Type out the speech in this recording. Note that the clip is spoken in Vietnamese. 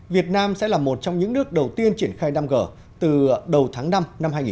việt nam sẽ là một trong những nước đầu tiên triển khai năm g từ đầu tháng năm năm hai nghìn hai mươi